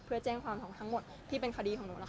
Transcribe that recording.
เพื่อแจ้งความทั้งหมดที่เป็นคดีของหนูล่ะค่ะ